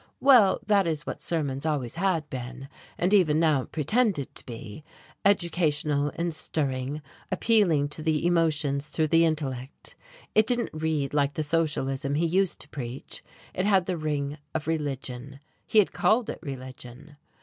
Well, that is what sermons always had been, and even now pretended to be, educational and stirring, appealing to the emotions through the intellect. It didn't read like the Socialism he used to preach, it had the ring of religion. He had called it religion.